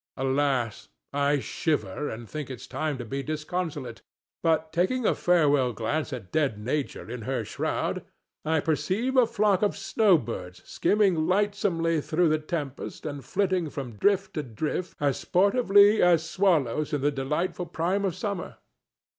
Alas! I shiver and think it time to be disconsolate, but, taking a farewell glance at dead Nature in her shroud, I perceive a flock of snowbirds skimming lightsomely through the tempest and flitting from drift to drift as sportively as swallows in the delightful prime of summer.